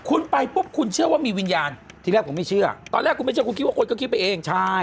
คุณไปปุ๊บคุณเชื่อว่ามีวิญญาณที่แรกผมไม่เชื่อตอนแรกผมคิดว่าคนก็คิดไปเอง